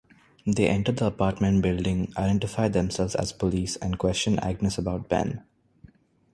They enter the apartment building, identify themselves as police, and question Agnes about Ben.